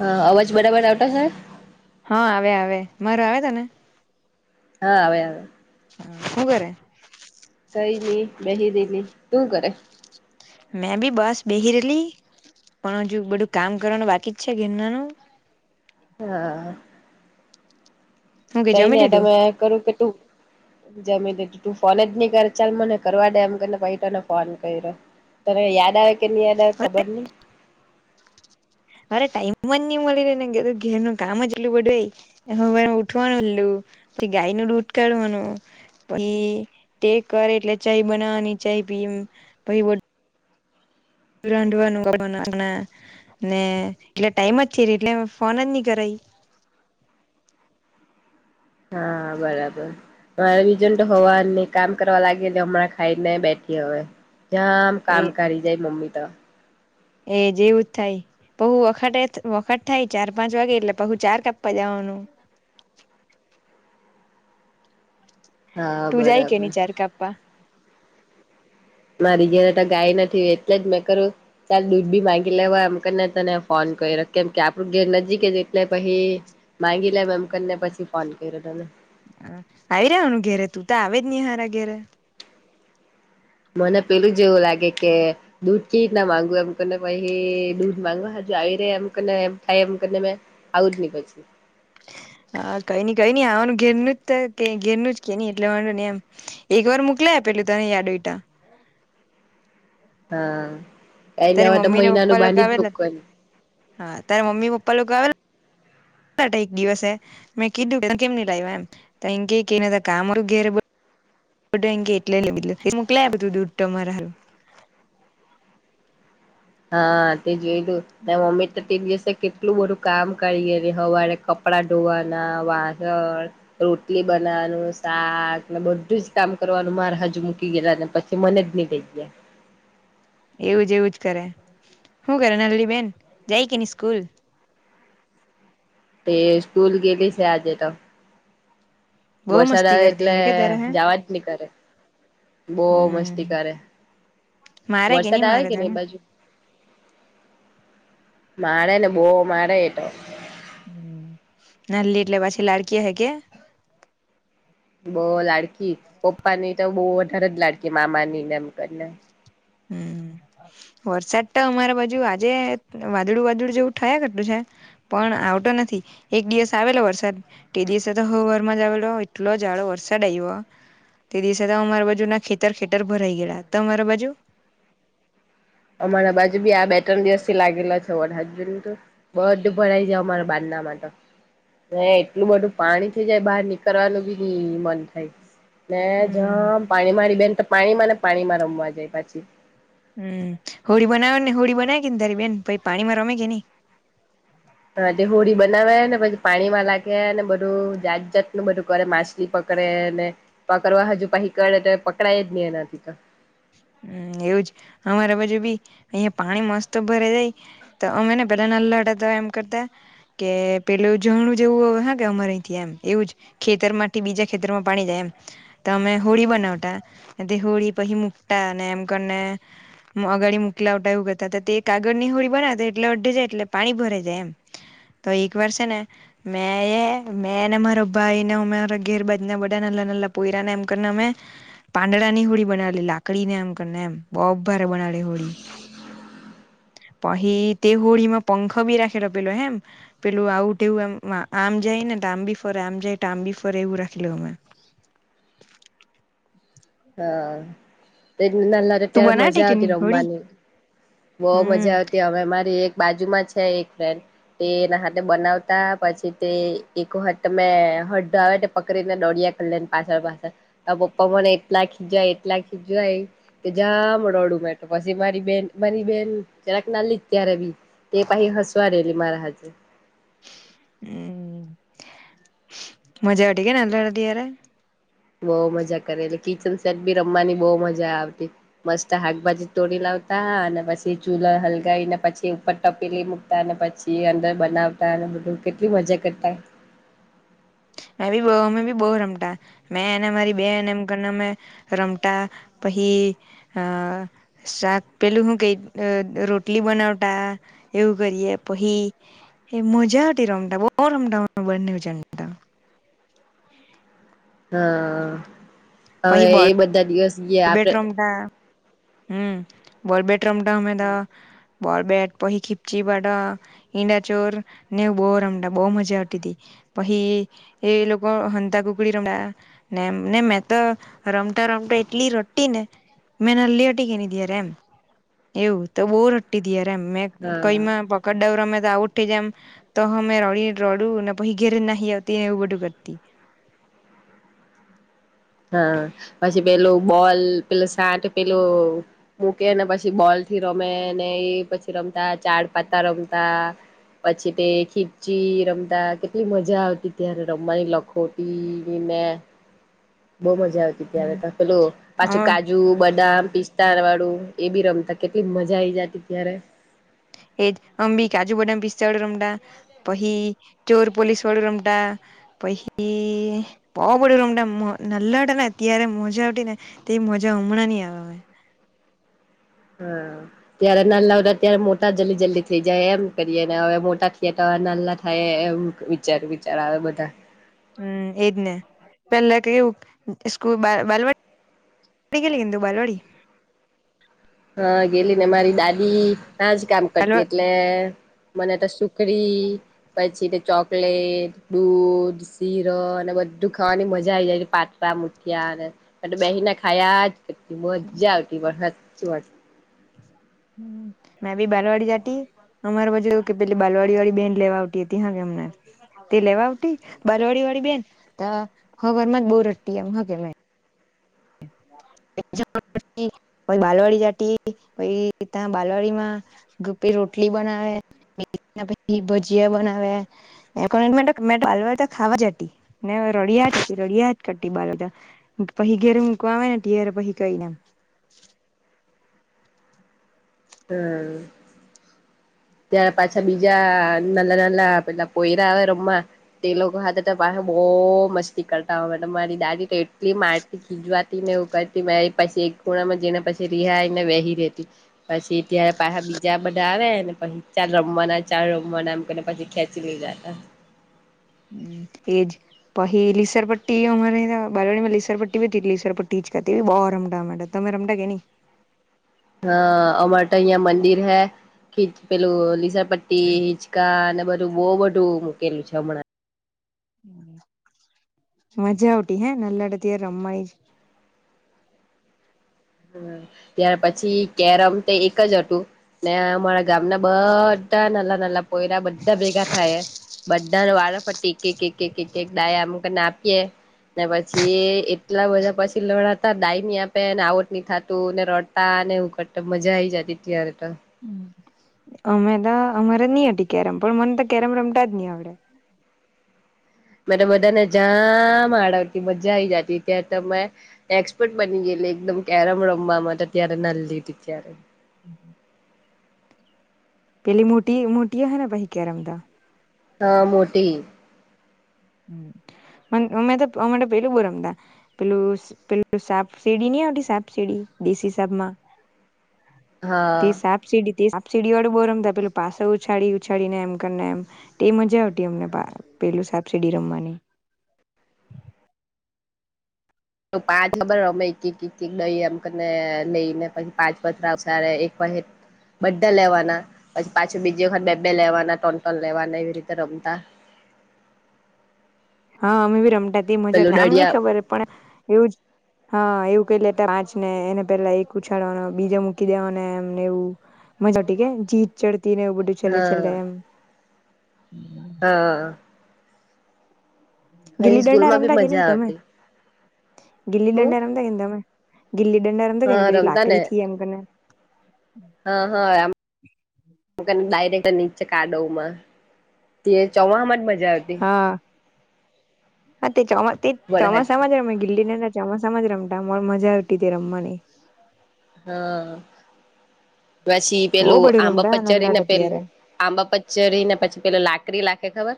હા અવાજ બરાબર આવતા સર માર આવે ત ને હા આવે આવે હું કરે કઈ નહી બેહી દેલી તું કરે, મેં ભી બસ બેહ રલી પણ હજુ બધું કામ કરવાનું બાકી જ છે ઘેરનાનું હું કે તઈ જમી ને લીધું તમે કરું કે તું જમી દીધું તું ફોન જ નહી કર ચાલ મને કરવા દે એમ કરીને પૈ તોને ફોન કર્યો તને યાદ આવે કે નહી યાદ આવે ખબર નહી [unintelligible] અરે ટાઈમ ન મળી ને ઘેર ન કામ જ એટલું બડુંય હ ઉઠવાનુંું ગાય નું દૂટ કાઢવાનું પછી તે કરે એટલે ચાય બનાવવાની ચાય પીએમ ભહી વો રરાડવા નના ને એટલે ટાઈમ જ છે ર એટલે ફોન જ નહી કરાઈ હા બરાબર મા વિજ તો હોવા નહી કામ કરવા લાગે હમણાં ખાઈને બેઠ હવે જામ એ કામ કરી જાય મમ્મી તો, એ જેવું જ થાય બહુ વખ વખત થાય ચાર પાંચ વાગે એટલે પહુ ચાર કપવા જવાનું હનું હા તું જાય બરાબર કેની ચાર કાપ્પા મારી જેને ગાય નથી હો એટલે જ મેં કરું તાલ દૂધ બી માંગી લે હોય એમને તને ફોન કરી કેમ કે આપણું ઘેર નજીક જ એટલે પછી માગી લેમ એમ કરીને પછી ફોન કર્યો તને આવી રહ્યાવાનું ઘેરે તું તો આવેજ નહી હારા ઘેરે મને પેલું જ એવું લાગે કે દૂધ કે રીતના માંગું એમને પછ દૂધ માંગવા આવી રે એમ એમ થાય એમને મે આવજ નહી પછી હ હા કઈ નઈ કઈ નઈ આવાનું ઘેર ન જ ઘેરનું જ કે નહ એટલે વાડ ને એમ એક વાર મોકલા પેલું તો ન ારદઈટા હા કંઈ ની તારી હવે તો મમ્મી ને પપ્પા મહિનાનું લોકો બાંધી જ આવેલા મોકવાનુ હા તારા મમ્મી પપ્પા લોકો આવેલા એક દિવસે મેં કીધું કેમની લાઈવા એમ, તો એમ કે એને તો કામરુ ઘેરે બ બધા એમ કે, એટલે મોકલાઈ આપ્યું તું દૂધ તમારા હારુ હા તે જોયલુ ને મમ્મી તો તે દિવસ કેટલું બધું કામ કરીએ હવારે કપડા ધોવાના વાદળ રોટલી બનાવાનું શાક ને બધું જ કામ કરવાનું મારે હજુ મૂકી ગયેલા ને પછી મને જ ની લઈ ગયા. એવું જ એવું જ કરે શું કરે નાલીબેન જાય કે ની સ્કૂલ તે સ્કૂલ ગેયેલી છે આજે તો, બહુ વરસાદ મસ્તી આવે કરતી એટલે હે કે તારે હે જવા જ ની કરે બોહ હમ મસ્તી કરે મારે વરસાદ આવે મારે કે ની એ તને? બાજુ મારે ને બોહ મારે એટો હ નાલી એટલે પછી લાડકી હે કે, બોહ લાડકી પપ્પા ની તો બોહ વધારે જ લાડકી મામાની ને એમ કરીને હમ્મ વરસાદ તો અમારા બાજુ આજે વાદળું વાદળું જેવું થયા કરતું છે પણ આવતો નથી એક દિવસ આવેલો વરસાદ તે દિવસે તો હવારમાં જ આવેલો એટલો જાડો વરસાદ આવ્યો બ તે દિવસે તો અમારા બાજુ ના ખેતર ખેતર ભરાઈ ગયલા તમારા બાજુ અમારા બાજુ બી આ બે ત્રણ દિવસ થી લાગેલા છે વરહાદ જોને તું બધુ ભરાઈ જાય અમારા બાણ તાં મારે તો એટલું બધું પાણી થઈ જાય બહાર નીકળવાનું બી ની મન થાય. ને હમ જામ પાણી મારી બેન તો પાણીમાં ને પાણીમાં રમવા જાય પાછી. હમ્મ હોળી બનાવે ને હોળી બનાવી કે તારી બેન પહી પાણીમાં રમે કે ની. હ તે હોળી બનાવે ને પછી પાણીમાં લાગે ને બધું જાત જાાતનું બધું કરે માછલી પક પકડે ને પકડવા હાજુ પાહી કરે તો પકડાય જ નહી એનાથી તો. હ એવુંજ અમારા બાજુ બી અહીયાં પાણી મસ્ત ભરાઈ જાય તો અમે ને પેલા નાલ્લા હતા તો એમ કરતા. કે પેલ ઝરણું જેવું હ કે અમારા અહીંથી એમ એવું જ ખેતર માંથી બીજા ખેતરમાં પાણી જાય એમ. તો અમે હોળી બનાવતા તે હોળી પહી મુકતા અને એમ કરીને. અગાડી મુકલાવટાવ એવું કરતા હતા તે કાગળની હોડી બનાતા એટલે અડઢે જાય એટલે પાણી ભરાઈ જાય એમ. તો એક વાર છે ને મેંએ મેં ને મારો ભાઈ ને મારા ઘેર બાજ ના બધાના. નાલા નાલા પોયરાને એમ કરીને અમે પાંદડા ની હોડી બનાવેલી લા પકડીને એમ કરીને એમ બોહ ભારે બનાવેલી હોળી. પહી તે હોળીમાં પંખો બી રાખેલો પેલો હે પેલું આવું તેવું આમ. જાય ને તો આમ બી ફરે આમ જાય તો આમ બી ફરે એવું રાખેલું અમે. હા તેજ ને નલા હતા તું ત્યારે બનાવતી મજા કે આવતી ની હોળી રમવાની. બઉુ હમ મજા આવતી હવે મા તે એક બાજુમાં છે એક ફ્રેન્ડ તે એના હાતે બનાવતા પછી તે એક વખર તો મેં. એ હડ્ડો આવે પકડીને દોડિયા કરેલું એની પાછળ પાછળ તો પપ્પા મને એટલા ખીજવાય એટલા ખીજવાય કે જામ રડું મે તો પછી મારી બેન. મારી બેન [unintelligible] ના લીજ ત્યારે બી તે [unintelligible] હસવા રહેલી મારા હાથે. હમ મજા આવવી કે ને અત્યારે બો મજા કરેલી કિચન સેટ બી રમવાની બબો મજા આવતી મસ્ત હાકભાજી તોડી લાવ અને પછી ચૂલા હલગાવીને પછી ઉપર ટપીલી મૂકતા ને પછી અંદર બનાવતા બધું કેટલી મજા કરતા. હમ મેં બી અમે બી બહુ રમતા મેં એને મારી બેને એમ કરીને અમે રમતા પહી અ શાક પેલું હું કેય રોટલી બનાવતા એવું કરીએ પહી એ મજા આવતી રમટા બો રમતા અમે બંને જણ તા [inaudible] હા હવે એ બધા દિવસ ગયા બબેટ આપડે રમવા હમ બોલબટ રમતા અમે તો બોલબેટ પહી ખીપ્ચી પાટો ઈંડાચોર ને એવું બોવ રમતા બોવ મજા આવતી હતી. પહી એ લોકો હંતા કુકડી રમતા ને ને મે તો રમતા રમતા એટલી રોટી ને મેં નાનલી ઉતી કે ની ત્યારે એમ એવુ તો બો રડતી તી યાર મેં કઈ હા માં પકડ દાવ રમે ત્યા ઊઠી જામ તો અમે રડી રડુ ને પછી ઘેરે નાહી આવતીને એવું બધું કરતી [inaudible] હા પછી પેલું બોલ પેલું સાટ પેલું મૂક્યે અને પછી બોલ થી રમે ને એ પછી રમતા ચાડ પાતા રમતા. પછી તે ખીચ્છી રમતા કેટલી મજા આવતી ત્યારે રમવાની લખોટી બે [inaudible] બહુ મજા આવતી ત્યારે પણ પેલું પાછું હવે કાજુ બદામ. પિસ્તા વાળું એ બી રમતા કેટલી મજા આવી જતી ત્યારે એજ અંબી કાજુ બદામ પિસ્તા વાળું રમડા પછી ચોર પોલીસ વાળું રમતા. પહી બો બધા રમતા નલ્લા હતાને ત્યારે મજા આવતી ને તે મજા હમણાં નહીં આવે. હા ત્યારે નાનલા હતા ત્યારે મોટા જલ્દી જલ્દી થઈ જાય એમ કરીએ ને હવે મોટા થયાં ત નાનલા થઈએ એમ વિચાર વિચાર આવે બધા હમ એજ ને પેલા કેવું સ્કૂલ બાલ બાલવા પડી ગયેલીને [unintelligible] બારવાડી. હા ગેલી ને મારી દાદી નાજ કામ બાલ કરતી એટલે મને તો સુ ખડી પછી તે ચોકલેટ, દૂધ, શીરો અને બધું ખાવાનું મજા આવી જાય છે, પાતળા મૂઠિયાં અને. અને બેસીને ખાયા જ કરતી મજા આવતી પણ હાચી વાત હ મેં ભી બાલવાડી જાતી અમારા પાછું એવું કે પેલી બાલવાડી વાળી બેન લેવા આવતી હતી હા કે અમને તે લેવા આવટી બાલવાડી વાળી બેન હા હવારમાં જ બો રટતી એમ હ કે મે [unintelligible] પછી બાલવાડી જાતી પહી ત્યાં બાલવાડી માં કપી રોટલી બનાવે ને પછી ભજીયા બનાવે એમ કરી તો મે વારંવાર ત્યાં ખાવા જતી ને રડી રળીયાજ કરતી રળિયાજ કરતી બાલતા પહી ઘેરે મૂકવા આવે ને ત્યારે પહી કઈને ત ત્યાં પાછા બીજા નાના નાના પેલા પોયરા આવે રમવા તે લોકો હાથે તો પાહુ બો મસ્તી કરતા અમેતો હો મારી દાદી તો એટલી મારતી ખીજવાતી ને એવું કરતી મે પછી એક ખૂણામાં જઈને પછી રિહાયને બેહી રેતી પછી ત્યા પાછા બીજા બધા આવેને પહી ચાલ રમવાના ચાલ રમવાના એમ કહીને પછી ખેંચીને લઈ જતા હમ એજ પહી લીસર પટ્ટી અમારે બાલવાડીમાં લીસર પટ્ટી બી હતી લીસર પટ્ટી છત્રી બો રમટા એમે ટો. તમે રામટા કે ની? હ અમાર તો અયીયા મંદિર હૈ. ખીચ પેલું લીસરપટ્ટી, હિચકા ને બધું બો બધું મૂકેલું છે હમણાં. મજા આવતી હે ને નાનલા હતા ત્યારે રમવાની. હમ્મ ત્યાર પછી કેરમ તે એક જ હતું ને અમારા ગામના બધા નાનલા નાનલા પોયરા બધા ભેગા થાયએ બધાને વા વારાફરતી એક-એક-એક-એક -એક દાય એમ કરીને આપીએ. ને પછી એટલા બધા પછી લડાતા ડાયની આપે એને આઉટ ની થાતું ને રડતા ને એવું કરતા મજા આઈ જતી ત્યારે તો. હમ. અમે તો અમારે ની હતી કેરમ પણ મને તો કેરમ રમતા જ ની આવડે. મેં તો બધાને જામ આડવતી મજા આઈ જાતી ત્યારે ત મેં એક્સપર્ટ બની ગે લી એકદમ કેરમ રમવા માટે ત્યારે નાનલી હતી ત્યારે. પેલી મોટી મોટીએ અહે ને પાહિ કેરમ ત. હા, મોટી. પણ અમે તો અમે પેલું બો રમતા પેલું પેલું સાપસીડી ની ની આવતી સાપસીડી દેશી હિસાબમાં તે હા સાપસીડી તે સીડીવાળું બો રમતા પેલું પાછો ઉછાળી ઉછાળી ને એમ કરીને એમ તે મજા આવતી અમને પા પેલું સાપ સીડી રમવાની. પાંચ ખબર અમે એક કિક કિક કિક લઈએ એમ કરીને લઈને પછી પાંચ પથરા ઉસળે પહી. બધા લેવાના પછી પાછું બીજી વખત બે બે લેવાના ટન ટન લેવાના એવી રીતે રમતા. હા, અમે બી રમતા તે મજા પેલું નામ ની દડિયા ખબર પણ એવું જ હા એવુ પેલે ત પાંચ ને એને પેલા એક ઉછાળવાનો બીજે મૂકી દેવાને એમ ને એવું. મજા આવતી કે જીત ચડતી ને એવું બધું છેલ્લે છેલ્લે હા એમ. હા. પછી ગીલી દંડા સ્કૂલમાં બી રમતા કે મજા ની તમે? આવતી ગીલી હું દંડા રમતા કે ની તમે? ગીલી દંડા રમતા કે ની હા પેલી રમતા ને લાકડીથી એમ કરીને. હા હા આમ કરીને બાય. ટેક નીચે કાડવમાં તે ચોવામાં જ મજા આવતી. હા હા, તે ચોમા તે વરહાદ ચોમાસામાં જ રમે ગિલ્લી દંડા. ચોમાસામાં જ રમતા અમ મજા આવતી તે રમવાની. હા. પછી બહુ પેલું બધું આંબા રમતા પર પચરી નાના ને હતા ત્યારે પેલું આંબા પર પચરી ને પછી પેલો લાકરી લાખે ખબર.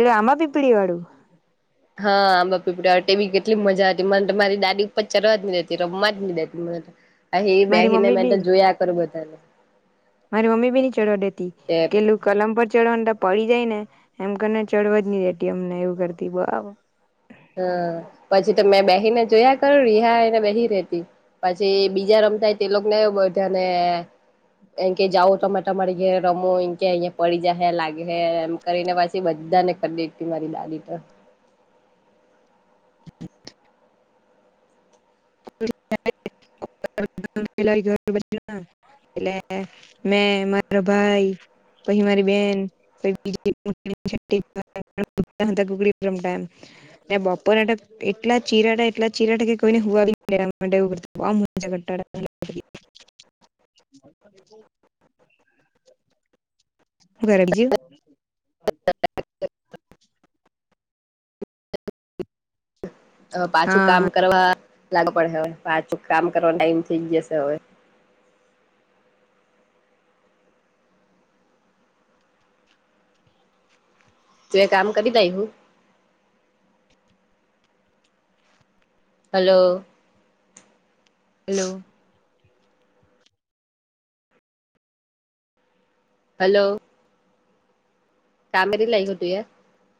એલું આમાં પીપળી વાળું. હા, આંબાપીપુડીવાળું તે બી કેટલી મજા હતી મને મારી દાદી ઉપર ચરવા જ ન દેતી રમવા જ ન દેતી. અહી મારી બેહિ ને મમ્મી મે તો બી જોયા કરું બધાને. મારી મમ્મી બી ની ચઢવા દેતી કે કેલું કલમ પર ચડવાનું ત પડી જાય ને એમ કરીને ચડવા જ ની દેતી અમને એવું કરતી બઆબ. હા, પછી તો મેં બેહિ ને જ જોયા કરુ રિહાઈ ને બેહિ રેતી પછી બીજા રમતા હોય તે લોકોને હો બધા ને એંકે જાવો તમે તમારી ઘેરે રમો એંકે અહીયા પડી જાય લાગ હે એમ કરીને પછી બધ ધા ને ખદેડતી મારી દાદી ત. [inaudible] એટલે મેં મારો ભાઈ પછી મારી બેન પહિ [unintelligible] હંતાકુકડી રમતા એમ ને બપોર તો એટલા ચીરાતા એટલા ચીરાતા કે કોઈને હુંવા બી [inaudible] [inaudible] હુ કરે બીજું પાછું કામ હા કરવા લાગુ પડે હવે પાછું કામ કરવાનો ટાઈમ થઈ જશે હવે તું એ કામ કરી દાય હું હલો હેલો હલો [unintelligible]